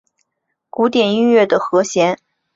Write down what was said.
古典音乐的和弦记号是和调性互相对应的。